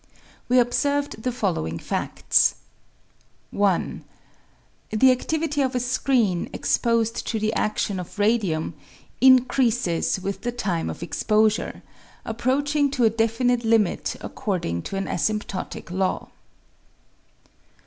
We observed the following fads :— 1. The activity of a screen exposed to the adion of radium increasesVith the time of exposure, approaching to a definite limit according to an asymptotic law.